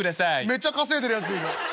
「めっちゃ稼いでるやついる。